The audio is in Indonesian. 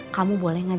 kamu boleh ngajar